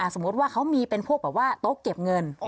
สมมุติว่าเขามีเป็นพวกแบบว่าโต๊ะเก็บเงิน